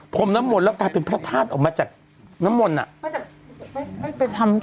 มน้ำมนต์แล้วกลายเป็นพระธาตุออกมาจากน้ำมนต์อ่ะ